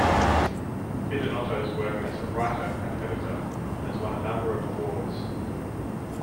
Bidinotto's work as a writer and editor has won a number of awards.